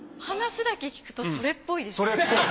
話だけ聞くとそれっぽいです。